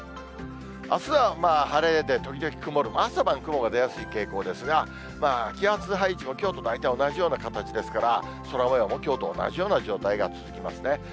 あすは晴れで、時々曇る、朝晩雲が出やすい傾向ですが、気圧配置もきょうと大体同じような形ですから、空もようもきょうと同じような状態が続きますね。